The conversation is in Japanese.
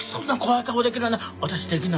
私できない。